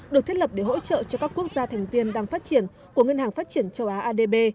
được thiết lập để hỗ trợ cho các quốc gia thành viên đang phát triển của ngân hàng phát triển châu á adb